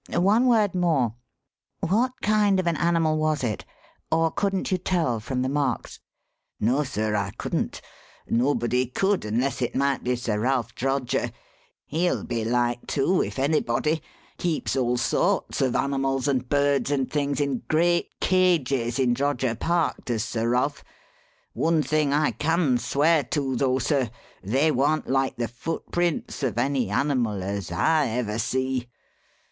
One word more: what kind of an animal was it? Or couldn't you tell from the marks?" "No, sir, I couldn't nobody could unless it might be Sir Ralph Droger. He'll be like to, if anybody. Keeps all sorts of animals and birds and things in great cages in Droger Park, does Sir Ralph. One thing I can swear to, though, sir: they warn't like the footprints of any animal as I ever see.